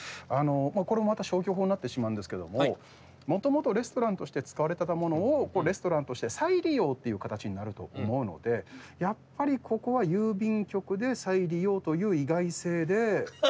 これもまた消去法になってしまうんですけどももともとレストランとして使われていたものをレストランとして再利用っていう形になると思うのでやっぱりここは郵便局で再利用という意外性で。